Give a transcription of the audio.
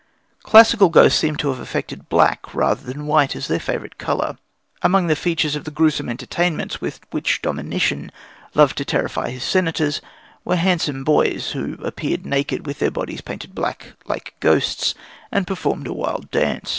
Classical ghosts seem to have affected black rather than white as their favourite colour. Among the features of the gruesome entertainments with which Domitian loved to terrify his Senators were handsome boys, who appeared naked with their bodies painted black, like ghosts, and performed a wild dance.